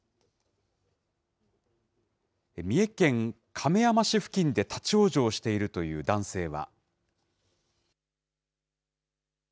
三重県亀山市付近で立往生しているという男性は。